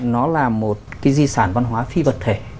nó là một cái di sản văn hóa phi vật thể